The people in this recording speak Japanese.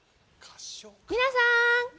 皆さん。